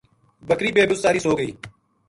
بکری بے مُساری سُو گئی